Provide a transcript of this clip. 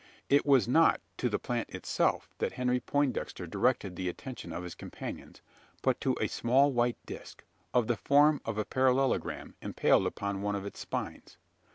It was not to the plant itself that Henry Poindexter directed the attention of his companions; but to a small white disc, of the form of a parallelogram, impaled upon one of its spines.